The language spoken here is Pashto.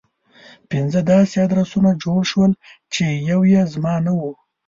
پنځه داسې ادرسونه جوړ شول چې يو يې زما نه و.